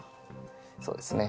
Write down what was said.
そうですね。